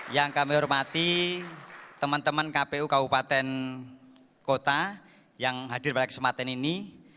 yang kami hormati teman teman kpu kabupaten kota yang hadir pada kesempatan ini